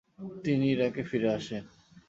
তিনি ইরাকে ফিরে আসেন।